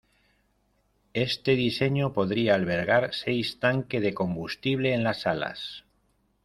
Este diseño podría albergar seis tanque de combustible en las alas.